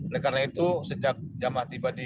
dan karena itu sejak jamaah tiba di arab saudi arabia